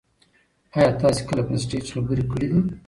ایا تاسي کله په سټیج خبرې کړي دي؟